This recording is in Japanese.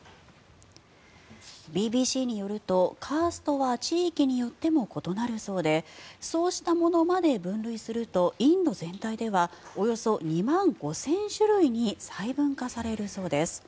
ＢＢＣによると、カーストは地域によっても異なるそうでそうしたものまで分類するとインド全体ではおよそ２万５０００種類に細分化されるそうです。